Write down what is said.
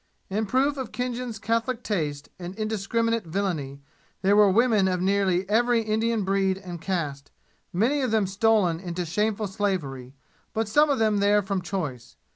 In proof of Khinjan's catholic taste and indiscriminate villainy, there were women of nearly every Indian breed and caste, many of them stolen into shameful slavery, but some of them there from choice.